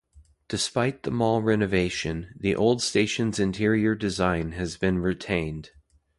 Despite the mall renovation, the old station's interior design has been retained.